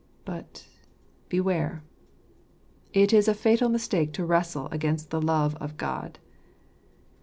But. beware ! It is a fatal mistake to wrestle against the love of God.